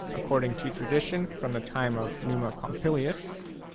6 According to tradition, from the time of Numa Pompilius.